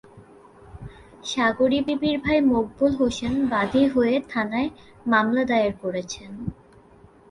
সাগরী বিবির ভাই মকবুল হোসেন বাদী হয়ে থানায় মামলা দায়ের করেছেন।